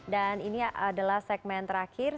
dan ini adalah segmen terakhir